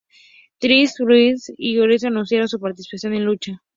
The Miz, Curtis Axel y Ryback anunciaron su participación en la lucha.